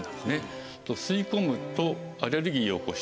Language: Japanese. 吸い込むとアレルギーを起こして。